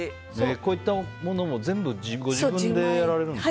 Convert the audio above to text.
こういったものも全部ご自分でやられるんですか。